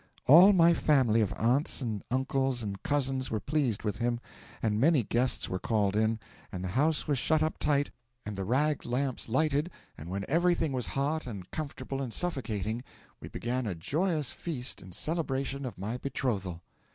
All my family of aunts and uncles and cousins were pleased with him, and many guests were called in, and the house was shut up tight and the rag lamps lighted, and when everything was hot and comfortable and suffocating, we began a joyous feast in celebration of my betrothal.